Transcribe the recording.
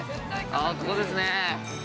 ◆ああ、ここですね。